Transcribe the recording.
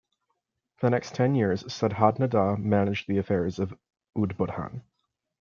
For the next ten years Shuddhananda managed the affairs of Udbodhan.